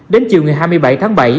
đến chiều ngày hai mươi bảy tháng bảy